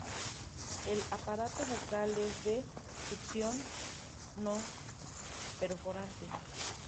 El aparato bucal es de succión, no perforante.